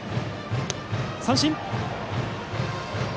三振。